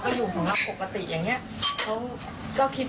แล้วตอนนี้ศาลให้ประกันตัวออกมาแล้ว